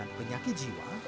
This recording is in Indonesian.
pada pengobatan penyakit jiwa